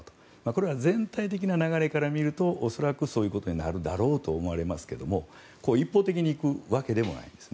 これは全体的な流れから見ると恐らくそういうことになるだろうと思われますが一方的にいくわけでもないんです。